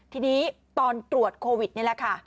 ทีนี้ตอนตรวจโควิดนี่แหละค่ะ